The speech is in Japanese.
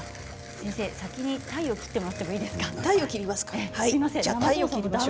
先生、先に鯛を切ってもらっていいですか？